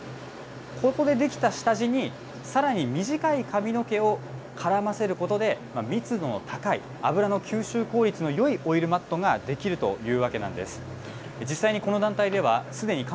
ここで出来た下地に、さらに短い髪の毛を絡ませることで、密度の高い、油の吸収効率のよいオイルマットが出来るというわけなんです。